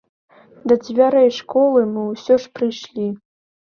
Да дзвярэй школы мы ўсё ж прыйшлі.